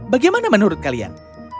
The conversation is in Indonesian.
bagaimana menurut kalian